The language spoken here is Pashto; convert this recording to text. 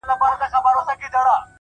خوښي په ساده شیانو کې ده!